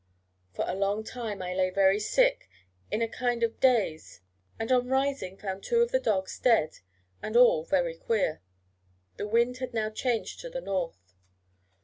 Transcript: For a long time I lay very sick in a kind of daze, and, on rising, found two of the dogs dead, and all very queer. The wind had now changed to the north.